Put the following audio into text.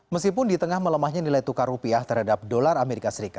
meskipun di tengah melemahnya nilai tukar rupiah terhadap dolar as